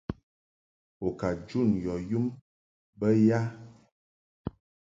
U ka jun yɔ yum bə ya?